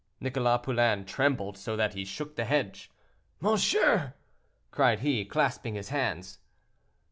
Nicholas Poulain trembled so that he shook the hedge. "Monsieur!" cried he, clasping his hands.